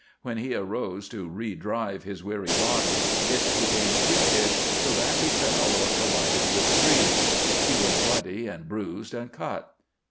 When he arose to redrive his weary body it became freakish, so that he fell or collided with trees. He was bloody and bruised and cut.